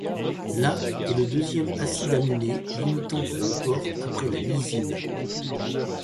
La est le deuxième acide aminé limitant pour le porc après la lysine.